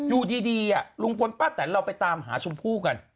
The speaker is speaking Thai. อยู่ดีลุงพลป้าแตนเราไปตามหาชมพู่กัน